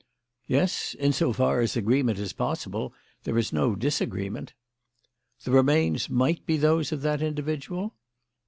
"Yes, in so far as agreement is possible. There is no disagreement." "The remains might be those of that individual?"